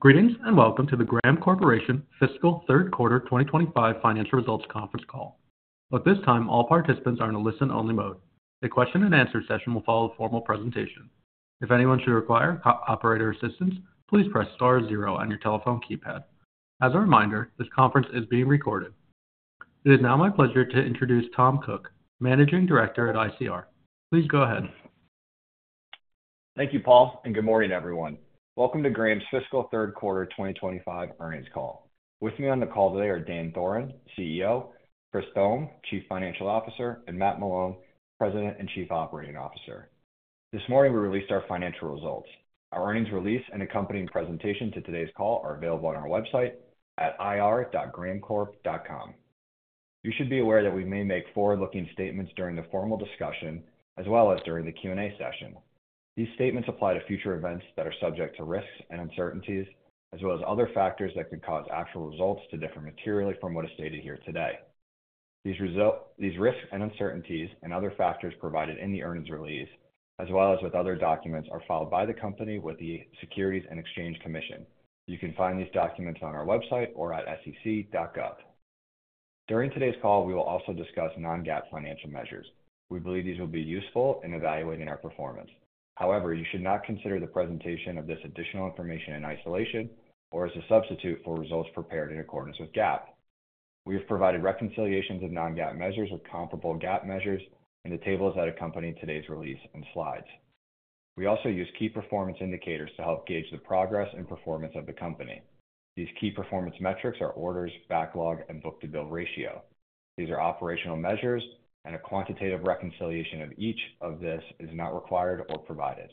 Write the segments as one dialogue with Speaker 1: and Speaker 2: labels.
Speaker 1: Greetings and welcome to the Graham Corporation Fiscal Third Quarter 2025 Financial Results Conference Call. At this time, all participants are in a listen-only mode. The question-and-answer session will follow a formal presentation. If anyone should require operator assistance, please press star zero on your telephone keypad. As a reminder, this conference is being recorded. It is now my pleasure to introduce Tom Cooke, Managing Director at ICR. Please go ahead.
Speaker 2: Thank you, Paul, and good morning, everyone. Welcome to Graham's Fiscal Third Quarter 2025 Earnings Call. With me on the call today are Dan Thoren, CEO; Chris Thome, Chief Financial Officer; and Matt Malone, President and Chief Operating Officer. This morning, we released our financial results. Our earnings release and accompanying presentation to today's call are available on our website at ir.grahamcorp.com. You should be aware that we may make forward-looking statements during the formal discussion as well as during the Q&A session. These statements apply to future events that are subject to risks and uncertainties, as well as other factors that could cause actual results to differ materially from what is stated here today. These risks and uncertainties and other factors provided in the earnings release, as well as with other documents, are filed by the company with the Securities and Exchange Commission. You can find these documents on our website or at SEC.gov. During today's call, we will also discuss non-GAAP financial measures. We believe these will be useful in evaluating our performance. However, you should not consider the presentation of this additional information in isolation or as a substitute for results prepared in accordance with GAAP. We have provided reconciliations of non-GAAP measures with comparable GAAP measures in the tables that accompany today's release and slides. We also use key performance indicators to help gauge the progress and performance of the company. These key performance metrics are orders, backlog, and book-to-bill ratio. These are operational measures, and a quantitative reconciliation of each of these is not required or provided.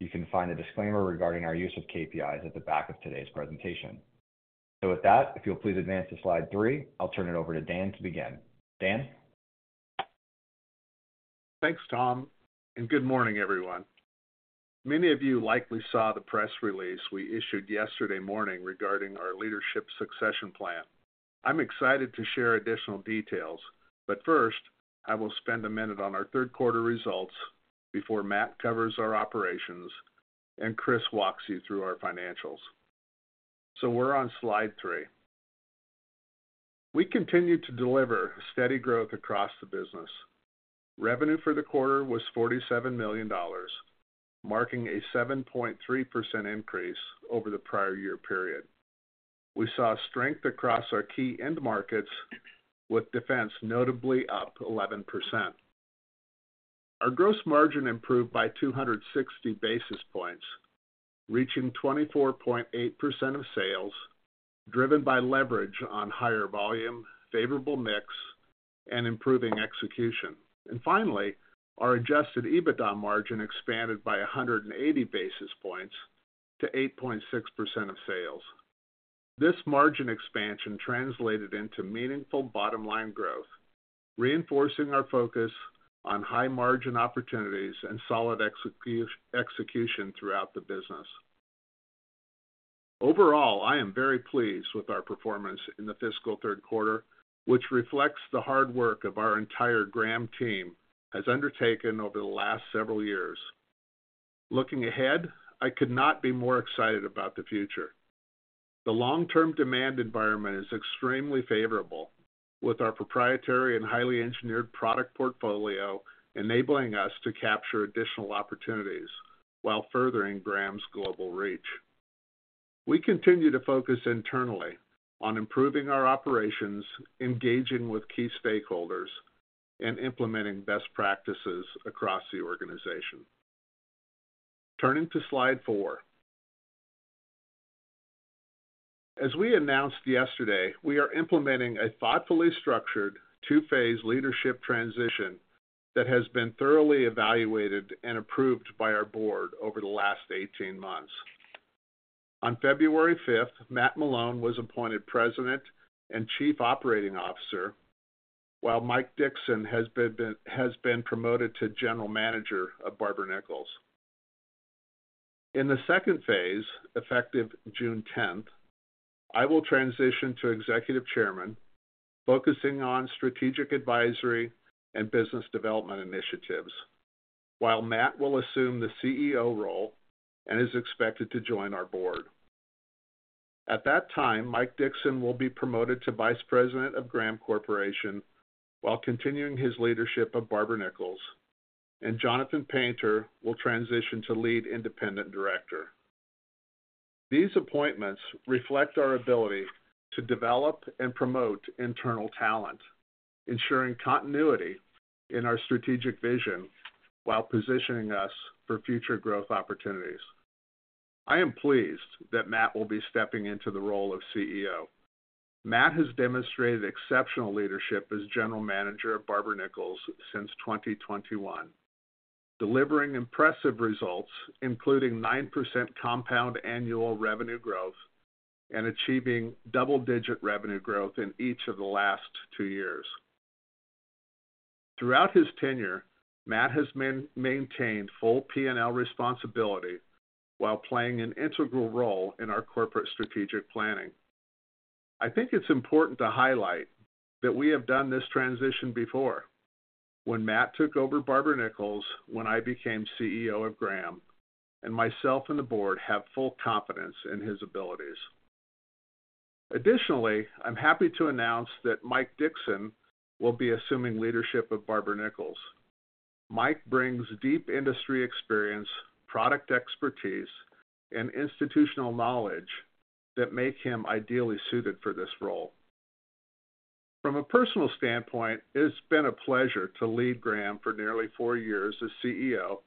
Speaker 2: You can find a disclaimer regarding our use of KPIs at the back of today's presentation. So with that, if you'll please advance to slide three, I'll turn it over to Dan to begin. Dan?
Speaker 3: Thanks, Tom, and good morning, everyone. Many of you likely saw the press release we issued yesterday morning regarding our leadership succession plan. I'm excited to share additional details, but first, I will spend a minute on our third quarter results before Matt covers our operations and Chris walks you through our financials. We're on slide three. We continue to deliver steady growth across the business. Revenue for the quarter was $47 million, marking a 7.3% increase over the prior year period. We saw strength across our key end markets, with defense notably up 11%. Our gross margin improved by 260 basis points, reaching 24.8% of sales, driven by leverage on higher volume, favorable mix, and improving execution. Finally, our Adjusted EBITDA margin expanded by 180 basis points to 8.6% of sales. This margin expansion translated into meaningful bottom-line growth, reinforcing our focus on high-margin opportunities and solid execution throughout the business. Overall, I am very pleased with our performance in the fiscal third quarter, which reflects the hard work of our entire Graham team has undertaken over the last several years. Looking ahead, I could not be more excited about the future. The long-term demand environment is extremely favorable, with our proprietary and highly engineered product portfolio enabling us to capture additional opportunities while furthering Graham's global reach. We continue to focus internally on improving our operations, engaging with key stakeholders, and implementing best practices across the organization. Turning to slide four. As we announced yesterday, we are implementing a thoughtfully structured two-phase leadership transition that has been thoroughly evaluated and approved by our board over the last 18 months. On February 5th, Matt Malone was appointed President and Chief Operating Officer, while Mike Dixon has been promoted to General Manager of Barber-Nichols. In the second phase, effective June 10th, I will transition to Executive Chairman, focusing on strategic advisory and business development initiatives, while Matt will assume the CEO role and is expected to join our board. At that time, Mike Dixon will be promoted to Vice President of Graham Corporation while continuing his leadership of Barber-Nichols, and Jonathan Painter will transition to Lead Independent Director. These appointments reflect our ability to develop and promote internal talent, ensuring continuity in our strategic vision while positioning us for future growth opportunities. I am pleased that Matt will be stepping into the role of CEO. Matt has demonstrated exceptional leadership as General Manager of Barber & Nichols since 2021, delivering impressive results, including 9% compound annual revenue growth and achieving double-digit revenue growth in each of the last two years. Throughout his tenure, Matt has maintained full P&L responsibility while playing an integral role in our corporate strategic planning. I think it's important to highlight that we have done this transition before when Matt took over Barber & Nichols when I became CEO of Graham, and myself and the board have full confidence in his abilities. Additionally, I'm happy to announce that Mike Dixon will be assuming leadership of Barber & Nichols. Mike brings deep industry experience, product expertise, and institutional knowledge that make him ideally suited for this role. From a personal standpoint, it's been a pleasure to lead Graham for nearly four years as CEO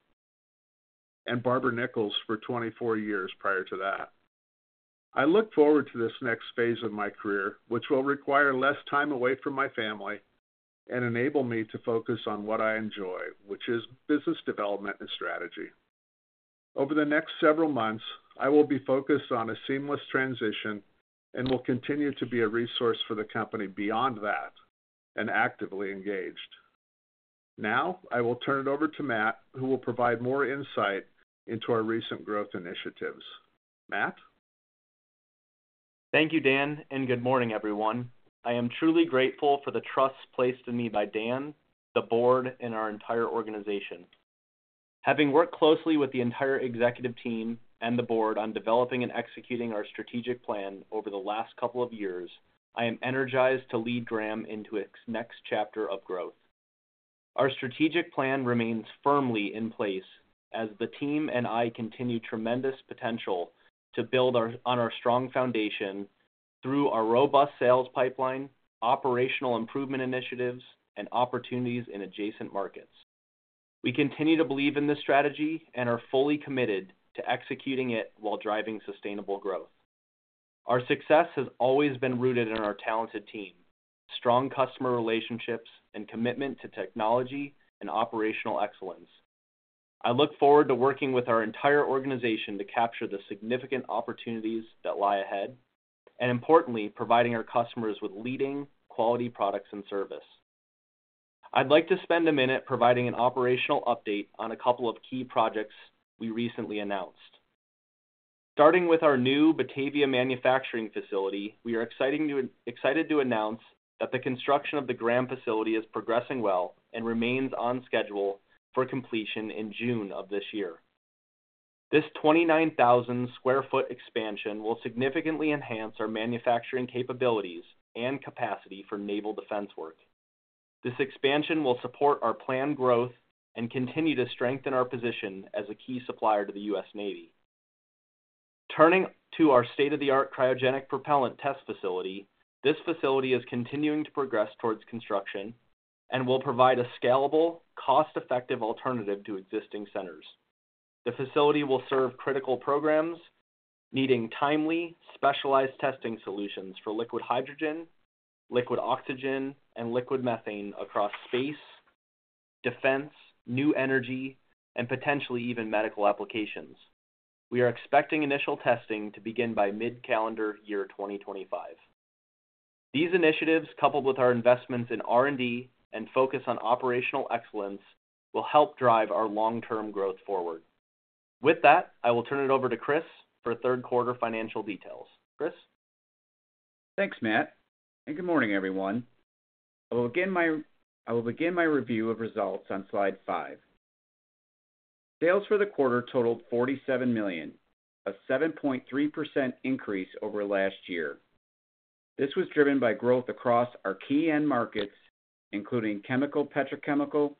Speaker 3: and Barber & Nichols for 24 years prior to that. I look forward to this next phase of my career, which will require less time away from my family and enable me to focus on what I enjoy, which is business development and strategy. Over the next several months, I will be focused on a seamless transition and will continue to be a resource for the company beyond that and actively engaged. Now, I will turn it over to Matt, who will provide more insight into our recent growth initiatives. Matt?
Speaker 4: Thank you, Dan, and good morning, everyone. I am truly grateful for the trust placed in me by Dan, the board, and our entire organization. Having worked closely with the entire executive team and the board on developing and executing our strategic plan over the last couple of years, I am energized to lead Graham into its next chapter of growth. Our strategic plan remains firmly in place as the team and I continue tremendous potential to build on our strong foundation through our robust sales pipeline, operational improvement initiatives, and opportunities in adjacent markets. We continue to believe in this strategy and are fully committed to executing it while driving sustainable growth. Our success has always been rooted in our talented team, strong customer relationships, and commitment to technology and operational excellence. I look forward to working with our entire organization to capture the significant opportunities that lie ahead and, importantly, providing our customers with leading, quality products and service. I'd like to spend a minute providing an operational update on a couple of key projects we recently announced. Starting with our new Batavia manufacturing facility, we are excited to announce that the construction of the Graham facility is progressing well and remains on schedule for completion in June of this year. This 29,000 sq ft expansion will significantly enhance our manufacturing capabilities and capacity for naval defense work. This expansion will support our planned growth and continue to strengthen our position as a key supplier to the U.S. Navy. Turning to our state-of-the-art cryogenic propellant test facility, this facility is continuing to progress towards construction and will provide a scalable, cost-effective alternative to existing centers. The facility will serve critical programs needing timely, specialized testing solutions for liquid hydrogen, liquid oxygen, and liquid methane across space, defense, new energy, and potentially even medical applications. We are expecting initial testing to begin by mid-calendar year 2025. These initiatives, coupled with our investments in R&D and focus on operational excellence, will help drive our long-term growth forward. With that, I will turn it over to Chris for third quarter financial details. Chris?
Speaker 5: Thanks, Matt, and good morning, everyone. I will begin my review of results on slide five. Sales for the quarter totaled $47 million, a 7.3% increase over last year. This was driven by growth across our key end markets, including chemical, petrochemical,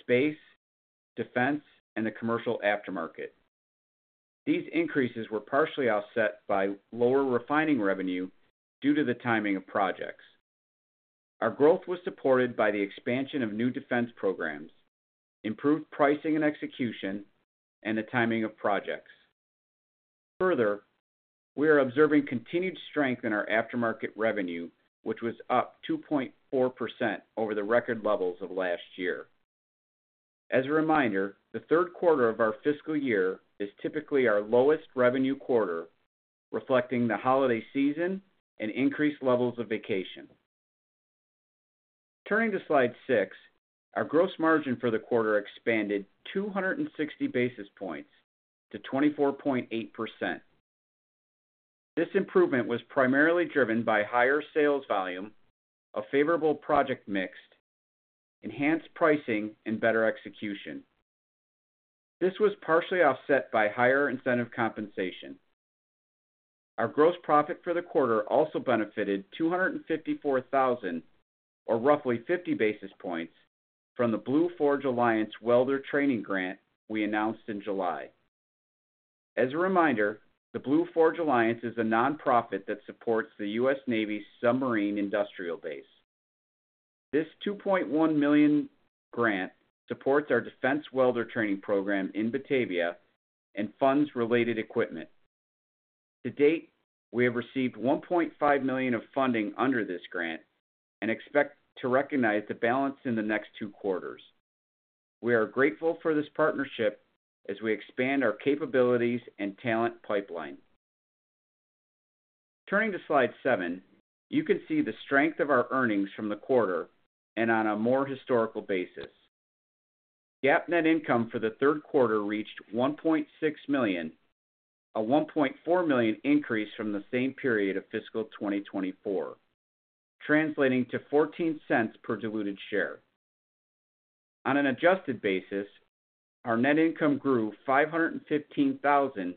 Speaker 5: space, defense, and the commercial aftermarket. These increases were partially offset by lower refining revenue due to the timing of projects. Our growth was supported by the expansion of new defense programs, improved pricing and execution, and the timing of projects. Further, we are observing continued strength in our aftermarket revenue, which was up 2.4% over the record levels of last year. As a reminder, the third quarter of our fiscal year is typically our lowest revenue quarter, reflecting the holiday season and increased levels of vacation. Turning to slide six, our gross margin for the quarter expanded 260 basis points to 24.8%. This improvement was primarily driven by higher sales volume, a favorable project mix, enhanced pricing, and better execution. This was partially offset by higher incentive compensation. Our gross profit for the quarter also benefited $254,000, or roughly 50 basis points, from the BlueForge Alliance welder training grant we announced in July. As a reminder, the BlueForge Alliance is a nonprofit that supports the U.S. Navy's submarine industrial base. This $2.1 million grant supports our defense welder training program in Batavia and funds related equipment. To date, we have received $1.5 million of funding under this grant and expect to recognize the balance in the next two quarters. We are grateful for this partnership as we expand our capabilities and talent pipeline. Turning to slide seven, you can see the strength of our earnings from the quarter and on a more historical basis. GAAP net income for the third quarter reached $1.6 million, a $1.4 million increase from the same period of fiscal 2024, translating to $0.14 per diluted share. On an adjusted basis, our net income grew $515,000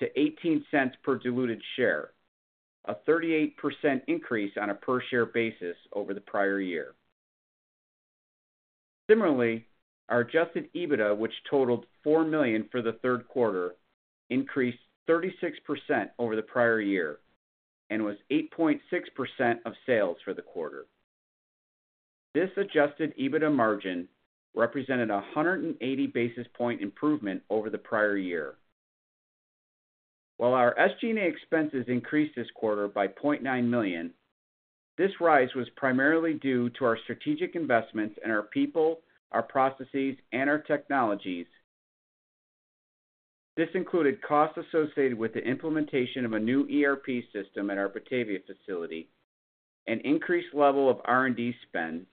Speaker 5: to $0.18 per diluted share, a 38% increase on a per-share basis over the prior year. Similarly, our adjusted EBITDA, which totaled $4 million for the third quarter, increased 36% over the prior year and was 8.6% of sales for the quarter. This adjusted EBITDA margin represented a 180 basis point improvement over the prior year. While our SG&A expenses increased this quarter by $0.9 million, this rise was primarily due to our strategic investments in our people, our processes, and our technologies. This included costs associated with the implementation of a new ERP system at our Batavia facility, an increased level of R&D spend,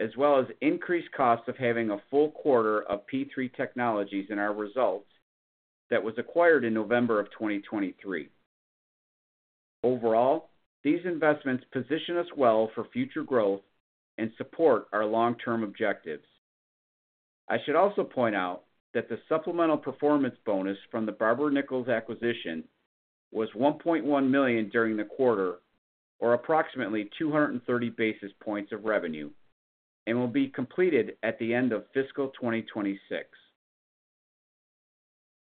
Speaker 5: as well as increased costs of having a full quarter of P3 Technologies in our results that was acquired in November of 2023. Overall, these investments position us well for future growth and support our long-term objectives. I should also point out that the supplemental performance bonus from the Barber & Nichols acquisition was $1.1 million during the quarter, or approximately 230 basis points of revenue, and will be completed at the end of fiscal 2026.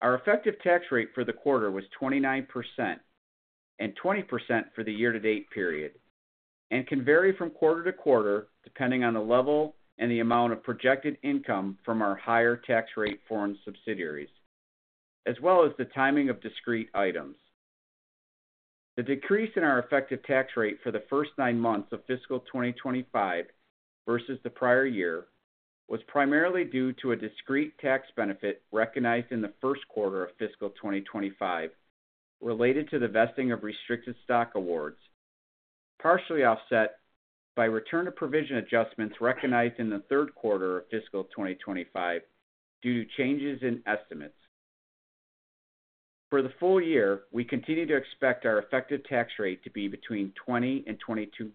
Speaker 5: Our effective tax rate for the quarter was 29% and 20% for the year-to-date period, and can vary from quarter to quarter depending on the level and the amount of projected income from our higher tax rate foreign subsidiaries, as well as the timing of discrete items. The decrease in our effective tax rate for the first nine months of fiscal 2025 versus the prior year was primarily due to a discrete tax benefit recognized in the first quarter of fiscal 2025 related to the vesting of restricted stock awards, partially offset by return to provision adjustments recognized in the third quarter of fiscal 2025 due to changes in estimates. For the full year, we continue to expect our effective tax rate to be between 20% and 22%.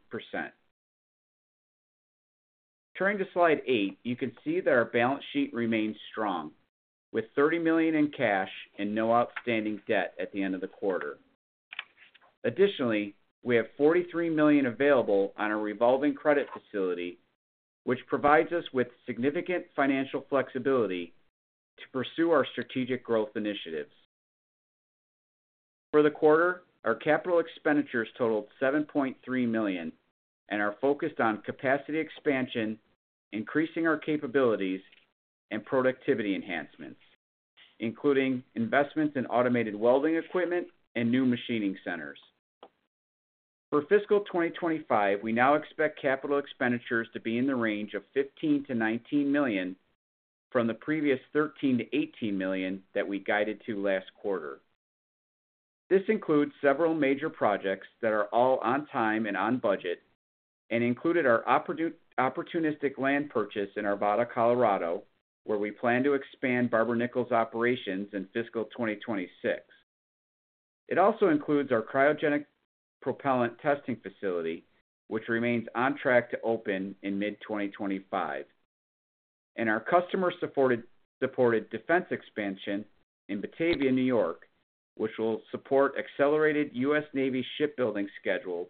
Speaker 5: Turning to slide eight, you can see that our balance sheet remains strong, with $30 million in cash and no outstanding debt at the end of the quarter. Additionally, we have $43 million available on our revolving credit facility, which provides us with significant financial flexibility to pursue our strategic growth initiatives. For the quarter, our capital expenditures totaled $7.3 million and are focused on capacity expansion, increasing our capabilities and productivity enhancements, including investments in automated welding equipment and new machining centers. For fiscal 2025, we now expect capital expenditures to be in the range of $15-$19 million from the previous $13-$18 million that we guided to last quarter. This includes several major projects that are all on time and on budget and included our opportunistic land purchase in Arvada, Colorado, where we plan to expand Barber-Nichols operations in fiscal 2026. It also includes our cryogenic propellant testing facility, which remains on track to open in mid-2025, and our customer-supported defense expansion in Batavia, New York, which will support accelerated U.S. Navy shipbuilding schedule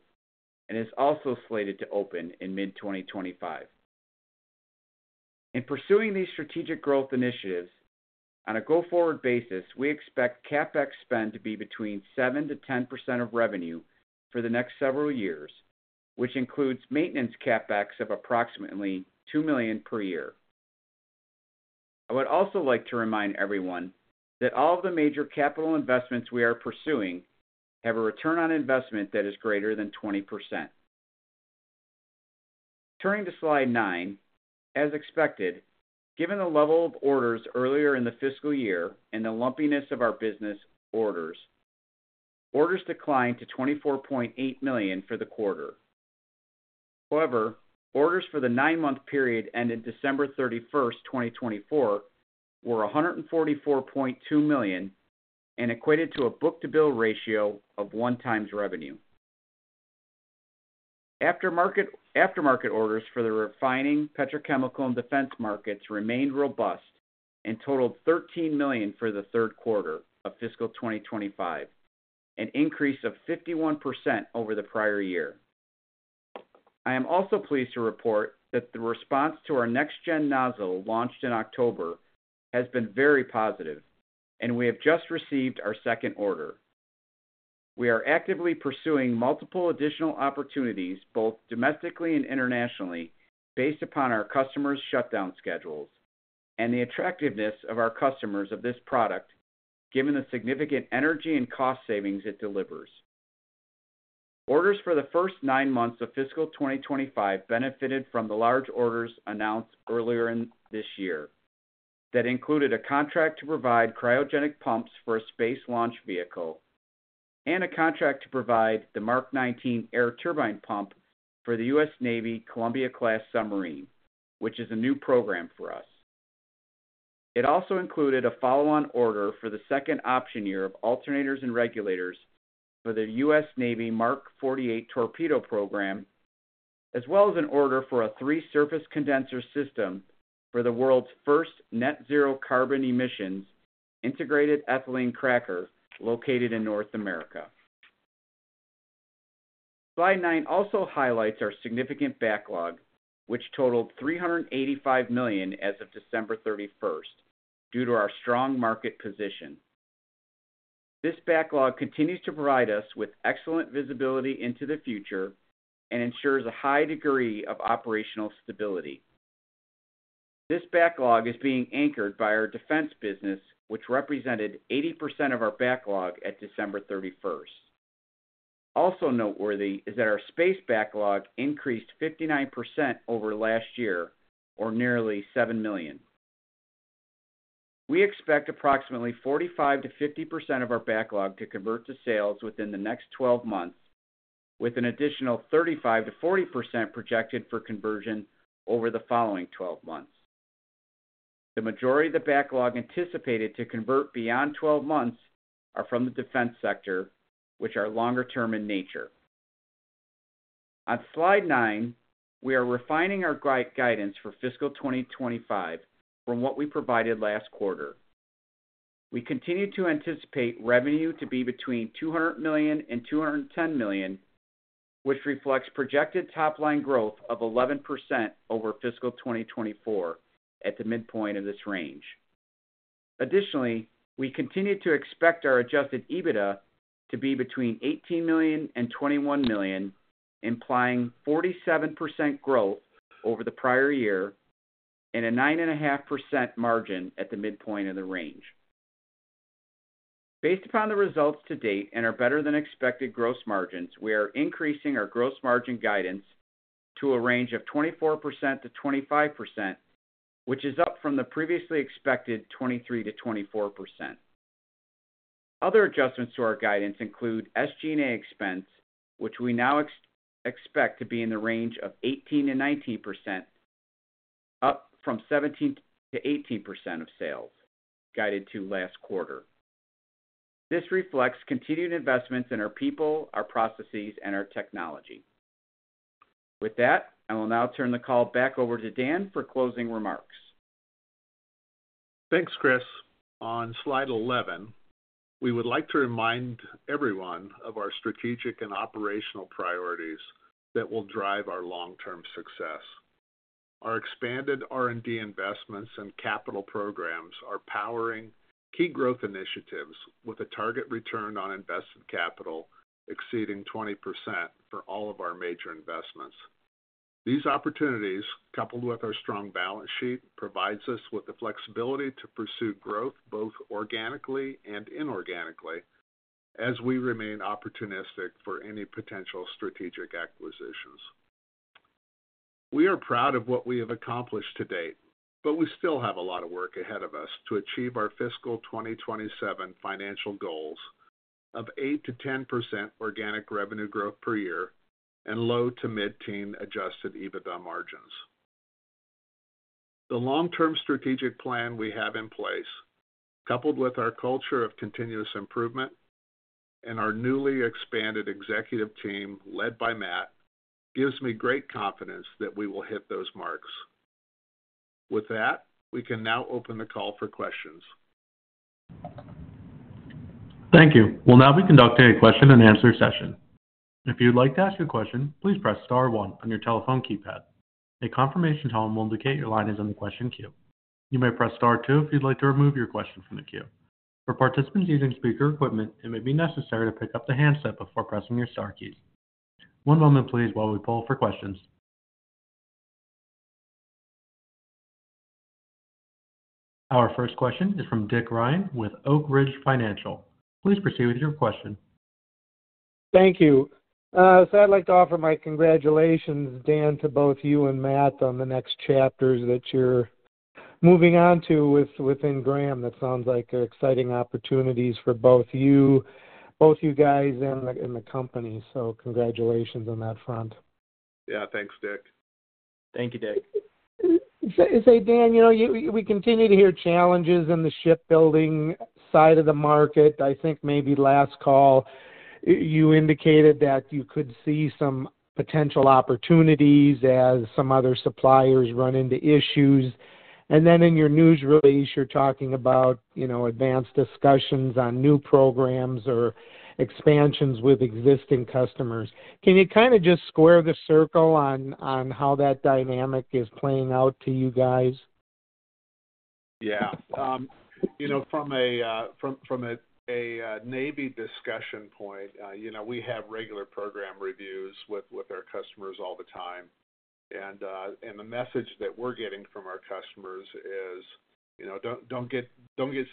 Speaker 5: and is also slated to open in mid-2025. In pursuing these strategic growth initiatives, on a go-forward basis, we expect CapEx spend to be between 7%-10% of revenue for the next several years, which includes maintenance CapEx of approximately $2 million per year. I would also like to remind everyone that all of the major capital investments we are pursuing have a return on investment that is greater than 20%. Turning to slide nine, as expected, given the level of orders earlier in the fiscal year and the lumpiness of our business orders, orders declined to $24.8 million for the quarter. However, orders for the nine-month period ended December 31st, 2024, were $144.2 million and equated to a book-to-bill ratio of one times revenue. Aftermarket orders for the refining, petrochemical, and defense markets remained robust and totaled $13 million for the third quarter of fiscal 2025, an increase of 51% over the prior year. I am also pleased to report that the response to our next-gen nozzle launched in October has been very positive, and we have just received our second order. We are actively pursuing multiple additional opportunities, both domestically and internationally, based upon our customers' shutdown schedules and the attractiveness of our customers of this product, given the significant energy and cost savings it delivers. Orders for the first nine months of fiscal 2025 benefited from the large orders announced earlier this year that included a contract to provide cryogenic pumps for a space launch vehicle and a contract to provide the Mark 19 air turbine pump for the U.S. Navy Columbia-class submarine, which is a new program for us. It also included a follow-on order for the second option year of alternators and regulators for the U.S. Navy Mark 48 torpedo program, as well as an order for a three-surface condenser system for the world's first net-zero carbon emissions integrated ethylene cracker located in North America. Slide nine also highlights our significant backlog, which totaled $385 million as of December 31st due to our strong market position. This backlog continues to provide us with excellent visibility into the future and ensures a high degree of operational stability. This backlog is being anchored by our defense business, which represented 80% of our backlog at December 31st. Also noteworthy is that our space backlog increased 59% over last year, or nearly $7 million. We expect approximately 45%-50% of our backlog to convert to sales within the next 12 months, with an additional 35%-40% projected for conversion over the following 12 months. The majority of the backlog anticipated to convert beyond 12 months are from the defense sector, which are longer-term in nature. On slide nine, we are refining our guidance for fiscal 2025 from what we provided last quarter. We continue to anticipate revenue to be between $200 million and $210 million, which reflects projected top-line growth of 11% over fiscal 2024 at the midpoint of this range. Additionally, we continue to expect our Adjusted EBITDA to be between $18 million and $21 million, implying 47% growth over the prior year and a 9.5% margin at the midpoint of the range. Based upon the results to date and our better-than-expected gross margins, we are increasing our gross margin guidance to a range of 24%-25%, which is up from the previously expected 23%-24%. Other adjustments to our guidance include SG&A expense, which we now expect to be in the range of 18%-19%, up from 17%-18% of sales guided to last quarter. This reflects continued investments in our people, our processes, and our technology. With that, I will now turn the call back over to Dan for closing remarks.
Speaker 3: Thanks, Chris. On slide 11, we would like to remind everyone of our strategic and operational priorities that will drive our long-term success. Our expanded R&D investments and capital programs are powering key growth initiatives with a target return on invested capital exceeding 20% for all of our major investments. These opportunities, coupled with our strong balance sheet, provide us with the flexibility to pursue growth both organically and inorganically as we remain opportunistic for any potential strategic acquisitions. We are proud of what we have accomplished to date, but we still have a lot of work ahead of us to achieve our fiscal 2027 financial goals of 8%-10% organic revenue growth per year and low to mid-teen Adjusted EBITDA margins. The long-term strategic plan we have in place, coupled with our culture of continuous improvement and our newly expanded executive team led by Matt, gives me great confidence that we will hit those marks. With that, we can now open the call for questions.
Speaker 1: Thank you. We'll now be conducting a question-and-answer session. If you'd like to ask a question, please press star one on your telephone keypad. A confirmation tone will indicate your line is on the question queue. You may press star two if you'd like to remove your question from the queue. For participants using speaker equipment, it may be necessary to pick up the handset before pressing your star keys. One moment, please, while we pull for questions. Our first question is from Dick Ryan with Oak Ridge Financial. Please proceed with your question.
Speaker 6: Thank you. So I'd like to offer my congratulations, Dan, to both you and Matt on the next chapters that you're moving on to within Graham. That sounds like exciting opportunities for both you, both you guys and the company. So congratulations on that front.
Speaker 1: Yeah, thanks, Dick.
Speaker 5: Thank you, Dick.
Speaker 7: Hey, Dan, you know we continue to hear challenges in the shipbuilding side of the market. I think maybe last call, you indicated that you could see some potential opportunities as some other suppliers run into issues. And then in your news release, you're talking about advanced discussions on new programs or expansions with existing customers. Can you kind of just square the circle on how that dynamic is playing out to you guys?
Speaker 4: Yeah. You know, from a Navy discussion point, you know we have regular program reviews with our customers all the time. And the message that we're getting from our customers is, you know, don't get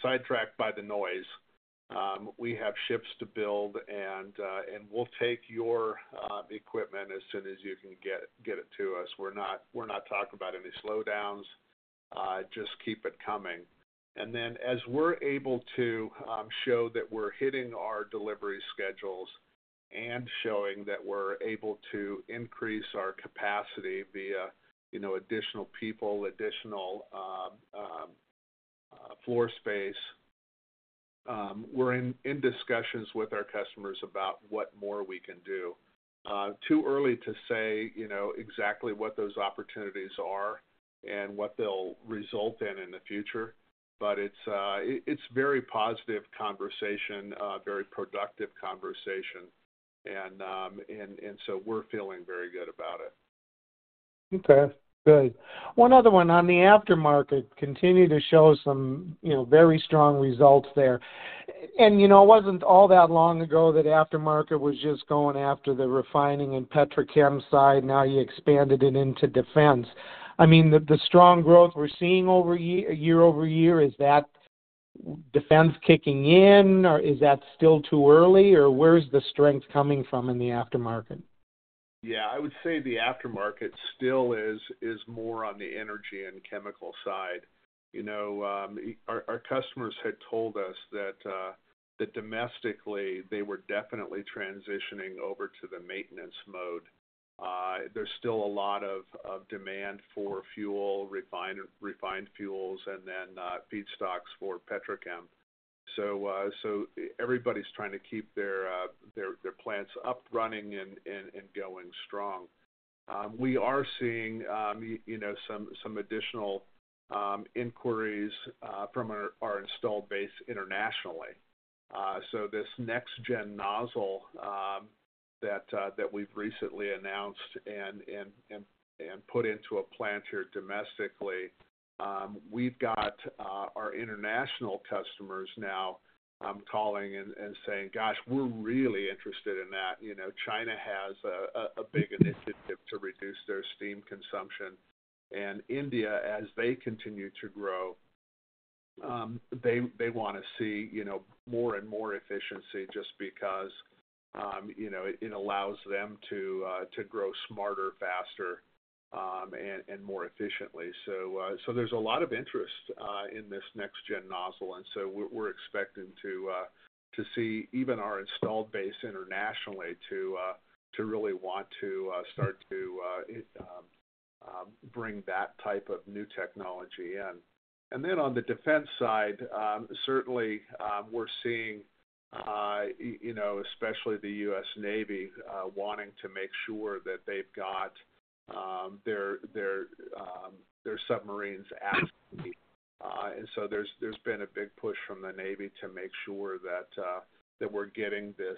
Speaker 4: sidetracked by the noise. We have ships to build, and we'll take your equipment as soon as you can get it to us. We're not talking about any slowdowns. Just keep it coming. And then as we're able to show that we're hitting our delivery schedules and showing that we're able to increase our capacity via additional people, additional floor space, we're in discussions with our customers about what more we can do. Too early to say exactly what those opportunities are and what they'll result in in the future, but it's very positive conversation, very productive conversation. And so we're feeling very good about it.
Speaker 6: Okay. Good. One other one on the aftermarket, continue to show some very strong results there. And you know it wasn't all that long ago that aftermarket was just going after the refining and petrochem side. Now you expanded it into defense. I mean, the strong growth we're seeing year over year, is that defense kicking in, or is that still too early, or where's the strength coming from in the aftermarket?
Speaker 7: Yeah, I would say the aftermarket still is more on the energy and chemical side. You know, our customers had told us that domestically they were definitely transitioning over to the maintenance mode. There's still a lot of demand for fuel, refined fuels, and then feedstocks for petrochem. So everybody's trying to keep their plants up, running, and going strong. We are seeing some additional inquiries from our installed base internationally. So this next-gen nozzle that we've recently announced and put into a plant here domestically, we've got our international customers now calling and saying, "Gosh, we're really interested in that." You know, China has a big initiative to reduce their steam consumption. And India, as they continue to grow, they want to see more and more efficiency just because it allows them to grow smarter, faster, and more efficiently. So there's a lot of interest in this next-gen nozzle. And so we're expecting to see even our installed base internationally to really want to start to bring that type of new technology in. And then on the defense side, certainly we're seeing, especially the U.S. Navy, wanting to make sure that they've got their submarines active. And so there's been a big push from the Navy to make sure that we're getting this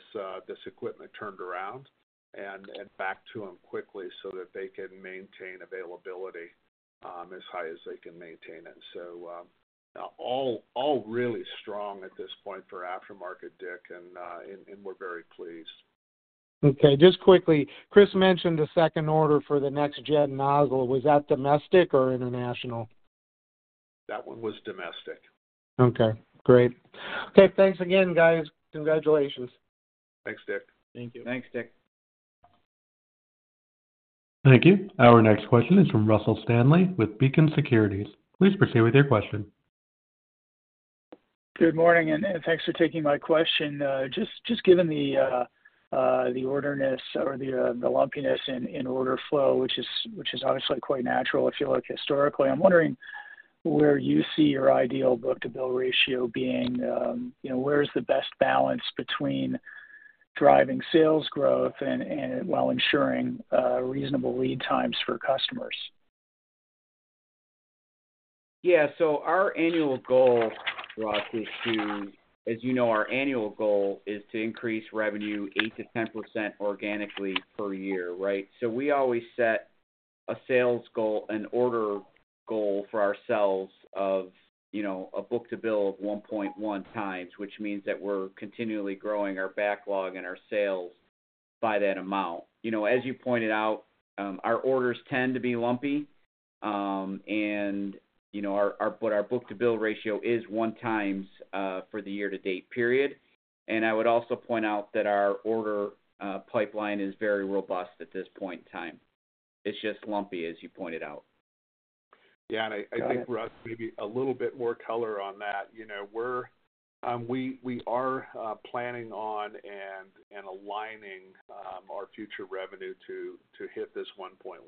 Speaker 7: equipment turned around and back to them quickly so that they can maintain availability as high as they can maintain it. So all really strong at this point for aftermarket, Dick, and we're very pleased.
Speaker 6: Okay. Just quickly, Chris mentioned the second order for the next-gen nozzle. Was that domestic or international?
Speaker 7: That one was domestic.
Speaker 6: Okay. Great. Okay. Thanks again, guys. Congratulations.
Speaker 4: Thanks, Dick.
Speaker 5: Thank you.
Speaker 3: Thanks, Dick.
Speaker 1: Thank you. Our next question is from Russell Stanley with Beacon Securities. Please proceed with your question.
Speaker 8: Good morning, and thanks for taking my question. Just given the orderliness or the lumpiness in order flow, which is obviously quite natural, if you look historically, I'm wondering where you see your ideal book-to-bill ratio being. Where is the best balance between driving sales growth while ensuring reasonable lead times for customers?
Speaker 5: Yeah. So our annual goal, Russ, is to, as you know, our annual goal is to increase revenue 8%-10% organically per year, right? So we always set a sales goal, an order goal for ourselves of a book-to-bill of 1.1 times, which means that we're continually growing our backlog and our sales by that amount. As you pointed out, our orders tend to be lumpy, but our book-to-bill ratio is one times for the year-to-date period. And I would also point out that our order pipeline is very robust at this point in time. It's just lumpy, as you pointed out.
Speaker 4: Yeah, and I think, Russ, maybe a little bit more color on that. We are planning on and aligning our future revenue to hit this 1.1,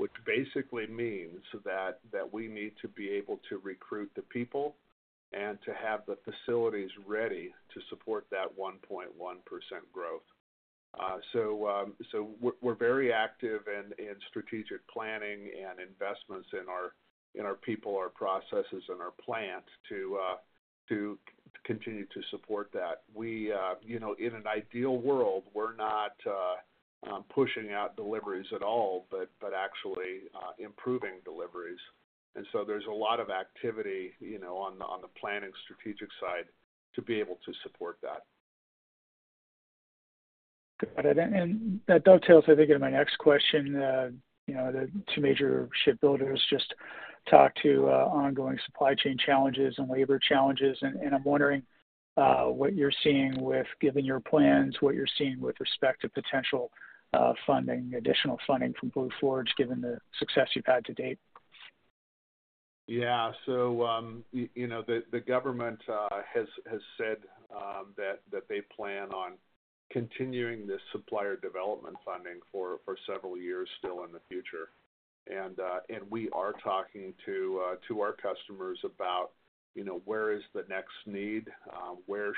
Speaker 4: which basically means that we need to be able to recruit the people and to have the facilities ready to support that 1.1% growth. So we're very active in strategic planning and investments in our people, our processes, and our plant to continue to support that. In an ideal world, we're not pushing out deliveries at all, but actually improving deliveries, and so there's a lot of activity on the planning strategic side to be able to support that.
Speaker 8: And that dovetails, I think, into my next question. The two major shipbuilders just talked to ongoing supply chain challenges and labor challenges. And I'm wondering what you're seeing with, given your plans, what you're seeing with respect to potential funding, additional funding from Blue Forge, given the success you've had to date?
Speaker 9: Yeah. So the government has said that they plan on continuing this supplier development funding for several years still in the future. And we are talking to our customers about where is the next need, where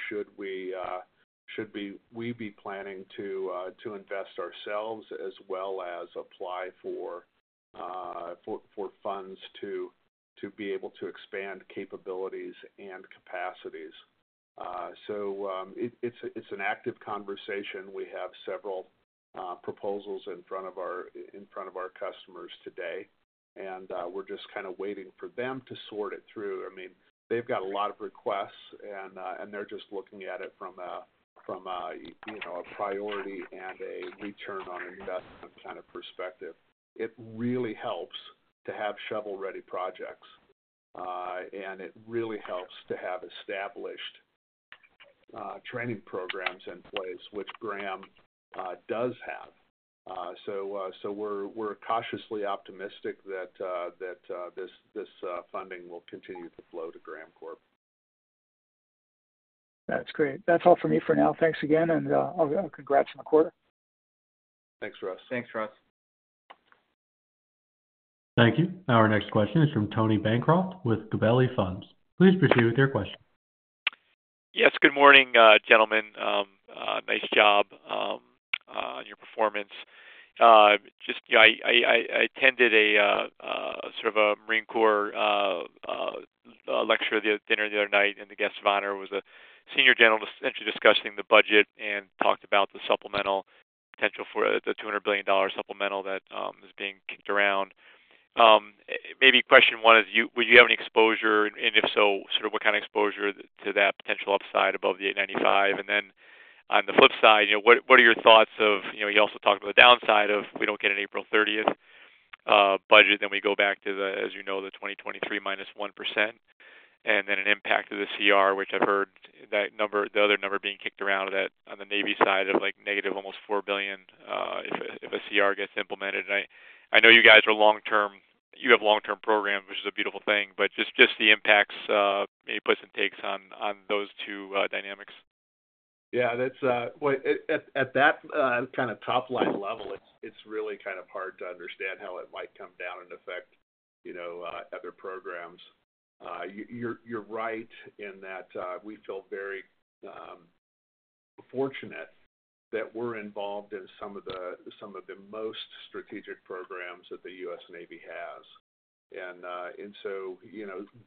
Speaker 9: should we be planning to invest ourselves, as well as apply for funds to be able to expand capabilities and capacities. So it's an active conversation. We have several proposals in front of our customers today, and we're just kind of waiting for them to sort it through. I mean, they've got a lot of requests, and they're just looking at it from a priority and a return on investment kind of perspective. It really helps to have shovel-ready projects, and it really helps to have established training programs in place, which Graham does have. So we're cautiously optimistic that this funding will continue to flow to Graham Corp.
Speaker 8: That's great. That's all for me for now. Thanks again, and I'll congratulate you on the quarter.
Speaker 4: Thanks, Russ.
Speaker 5: Thanks, Russ.
Speaker 1: Thank you. Our next question is from Tony Bancroft with Gabelli Funds. Please proceed with your question.
Speaker 10: Yes. Good morning, gentlemen. Nice job on your performance. I attended a sort of a Marine Corps lecture at the dinner the other night, and the guest of honor was a senior general discussing the budget and talked about the supplemental, the potential for the $200 billion supplemental that is being kicked around. Maybe question one is, would you have any exposure? And if so, sort of what kind of exposure to that potential upside above the 895? And then on the flip side, what are your thoughts of, you also talked about the downside of we don't get an April 30th budget, then we go back to, as you know, the 2023 minus 1%, and then an impact to the CR, which I've heard the other number being kicked around on the Navy side of negative almost $4 billion if a CR gets implemented. I know you guys are long-term, you have long-term program, which is a beautiful thing, but just the impacts, maybe put some takes on those two dynamics?
Speaker 4: Yeah. At that kind of top-line level, it's really kind of hard to understand how it might come down and affect other programs. You're right in that we feel very fortunate that we're involved in some of the most strategic programs that the U.S. Navy has. And so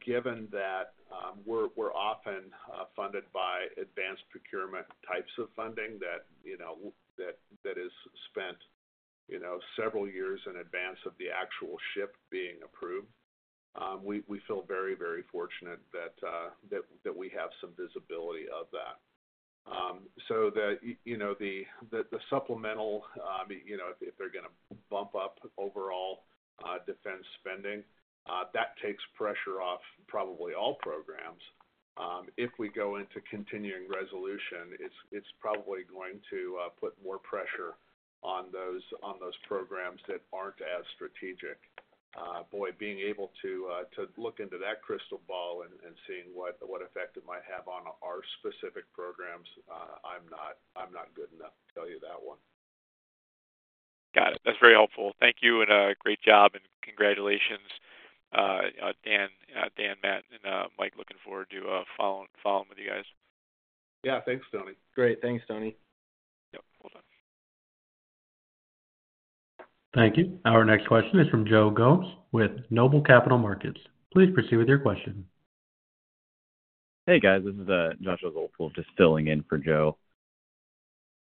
Speaker 4: given that we're often funded by advanced procurement types of funding that is spent several years in advance of the actual ship being approved, we feel very, very fortunate that we have some visibility of that. So the supplemental, if they're going to bump up overall defense spending, that takes pressure off probably all programs. If we go into continuing resolution, it's probably going to put more pressure on those programs that aren't as strategic. Boy, being able to look into that crystal ball and seeing what effect it might have on our specific programs, I'm not good enough to tell you that one.
Speaker 10: Got it. That's very helpful. Thank you and great job, and congratulations, Dan, Matt, and Mike. Looking forward to following with you guys.
Speaker 4: Yeah. Thanks, Tony.
Speaker 5: Great. Thanks, Tony.
Speaker 10: Yep.
Speaker 1: Thank you. Our next question is from Joe Gomes with Noble Capital Markets. Please proceed with your question.
Speaker 11: Hey, guys. This is Joshua Zoepfel, just filling in for Joe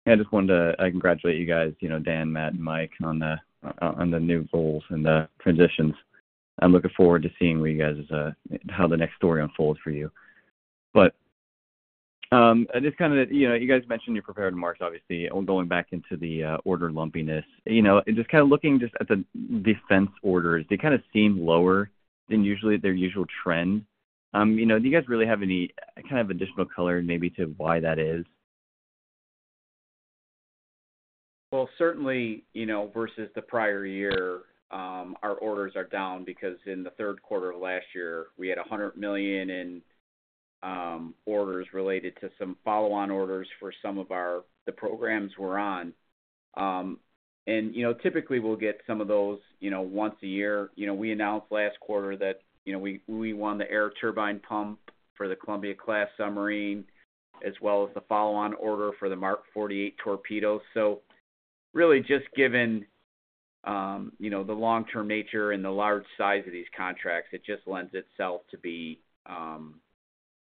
Speaker 11: Gomes. I just wanted to congratulate you guys, Dan Thoren, Matt Malone, and Mike Dixon, on the new roles and the transitions. I'm looking forward to seeing how the next story unfolds for you. But just kind of, you guys mentioned you're prepared to march, obviously, going back into the order lumpiness. Just kind of looking just at the defense orders, they kind of seem lower than their usual trend. Do you guys really have any kind of additional color maybe to why that is?
Speaker 5: Certainly, versus the prior year, our orders are down because in the third quarter of last year, we had $100 million in orders related to some follow-on orders for some of the programs we're on. Typically, we'll get some of those once a year. We announced last quarter that we won the air turbine pump for the Columbia-class submarine, as well as the follow-on order for the Mark 48 torpedoes. Really, just given the long-term nature and the large size of these contracts, it just lends itself to be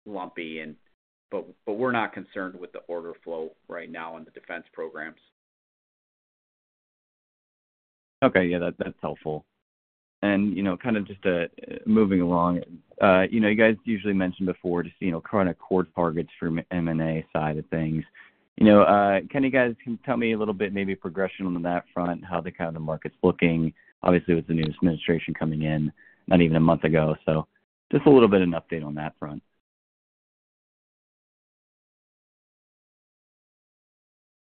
Speaker 5: lumpy. We're not concerned with the order flow right now on the defense programs.
Speaker 11: Okay. Yeah, that's helpful. And kind of just moving along, you guys usually mentioned before just kind of core targets from M&A side of things. Can you guys tell me a little bit maybe progression on that front, how the kind of market's looking? Obviously, with the new administration coming in not even a month ago. So just a little bit of an update on that front.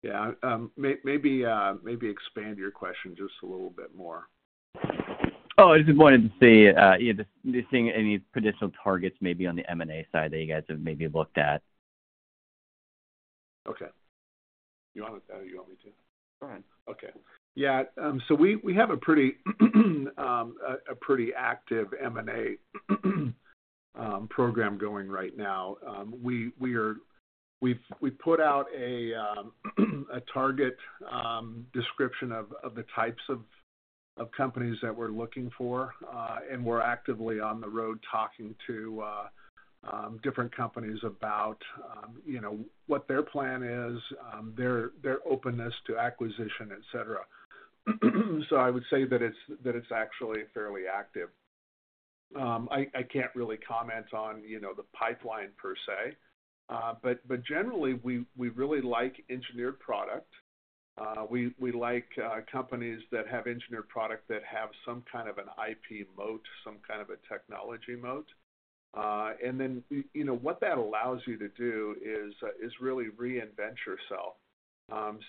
Speaker 4: Yeah. Maybe expand your question just a little bit more.
Speaker 11: Oh, I just wanted to see if you're seeing any potential targets maybe on the M&A side that you guys have maybe looked at?
Speaker 4: Okay. You want me to?
Speaker 5: Go ahead.
Speaker 4: Okay. Yeah. So we have a pretty active M&A program going right now. We put out a target description of the types of companies that we're looking for, and we're actively on the road talking to different companies about what their plan is, their openness to acquisition, etc. So I would say that it's actually fairly active. I can't really comment on the pipeline per se. But generally, we really like engineered product. We like companies that have engineered product that have some kind of an IP moat, some kind of a technology moat. And then what that allows you to do is really reinvent yourself.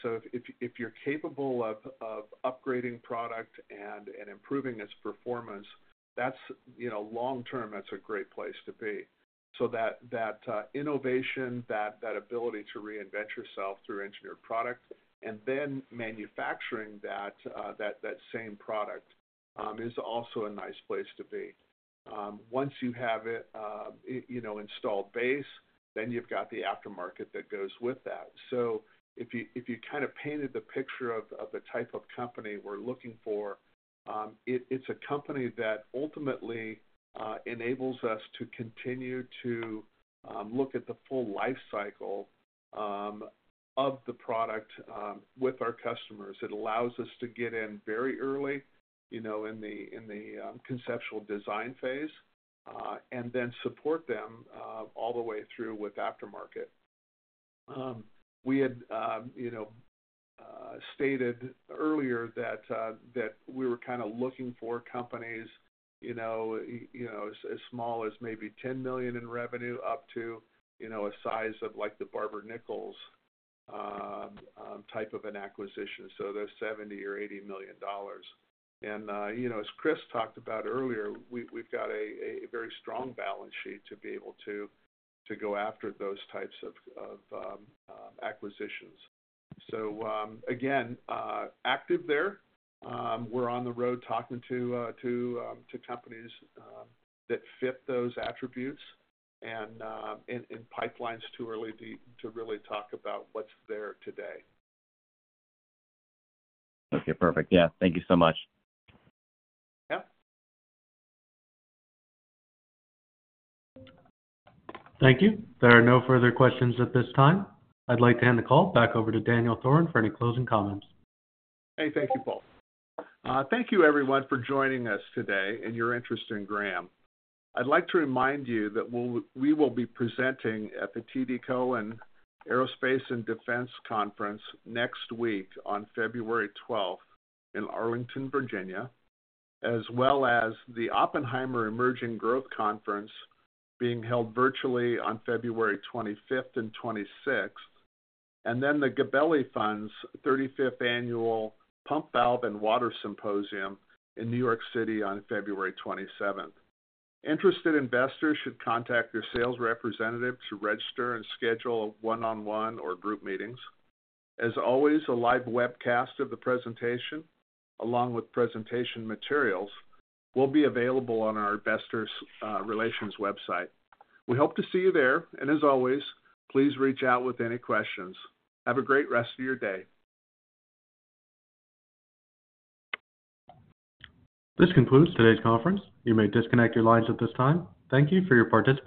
Speaker 4: So if you're capable of upgrading product and improving its performance, long-term, that's a great place to be. So that innovation, that ability to reinvent yourself through engineered product, and then manufacturing that same product is also a nice place to be. Once you have it installed base, then you've got the aftermarket that goes with that. So if you kind of painted the picture of the type of company we're looking for, it's a company that ultimately enables us to continue to look at the full lifecycle of the product with our customers. It allows us to get in very early in the conceptual design phase and then support them all the way through with aftermarket. We had stated earlier that we were kind of looking for companies as small as maybe $10 million in revenue up to a size of the Barber & Nichols type of an acquisition, so they're $70 million-$80 million. As Chris talked about earlier, we've got a very strong balance sheet to be able to go after those types of acquisitions. Again, active there. We're on the road talking to companies that fit those attributes and in pipelines too early to really talk about what's there today.
Speaker 11: Okay. Perfect. Yeah. Thank you so much.
Speaker 4: Yeah.
Speaker 1: Thank you. There are no further questions at this time. I'd like to end the call back over to Daniel Thoren for any closing comments.
Speaker 3: Hey, thank you, Paul. Thank you, everyone, for joining us today and your interest in Graham. I'd like to remind you that we will be presenting at the TD Cowen Aerospace and Defense Conference next week on February 12th in Arlington, Virginia, as well as the Oppenheimer Emerging Growth Conference being held virtually on February 25th and 26th, and then the Gabelli Funds 35th Annual Pump, Valve, and Water Symposium in New York City on February 27th. Interested investors should contact their sales representative to register and schedule one-on-one or group meetings. As always, a live webcast of the presentation along with presentation materials will be available on our Investor Relations website. We hope to see you there. And as always, please reach out with any questions. Have a great rest of your day.
Speaker 1: This concludes today's conference. You may disconnect your lines at this time. Thank you for your participation.